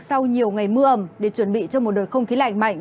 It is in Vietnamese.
sau nhiều ngày mưa ẩm để chuẩn bị cho một đợt không khí lạnh mạnh